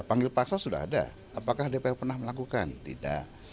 panggil paksa sudah ada apakah dpr pernah melakukan tidak